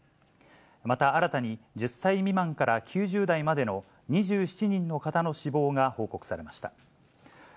また、新たに１０歳未満から９０代までの２７人の方の死亡が報告されました。